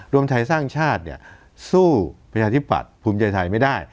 รวมไทยสร้างชาติเนี่ยสู้ประชาธิปัตย์ภูมิใจไทยไม่ได้